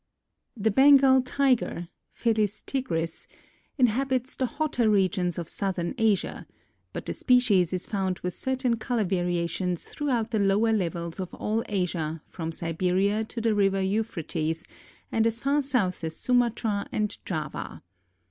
_) The Bengal Tiger (Felis tigris) inhabits the hotter regions of Southern Asia, but the species is found with certain color variations throughout the lower levels of all Asia from Siberia to the River Euphrates and as far south as Sumatra and Java.